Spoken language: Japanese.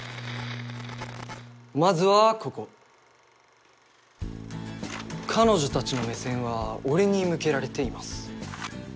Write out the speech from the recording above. まずはここ彼女たちの目線は俺に向けられています